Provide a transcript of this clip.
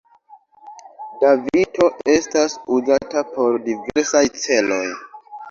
Davito estas uzata por diversaj celoj.